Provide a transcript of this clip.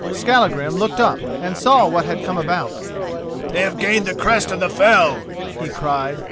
Skallagrim looked up and saw what had come about. "They have gained the crest of the fell," he cried.